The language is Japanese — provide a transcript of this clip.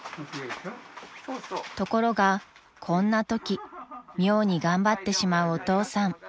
［ところがこんなとき妙に頑張ってしまうお父さん］